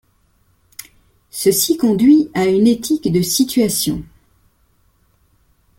Ceci conduit à une éthique de situation.